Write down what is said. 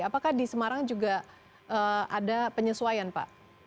apakah di semarang juga ada penyesuaian pak